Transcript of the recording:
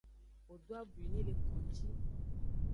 Wo do abwi ni le konji.